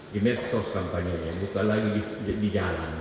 di medsos kampanye nya bukan lagi di jalan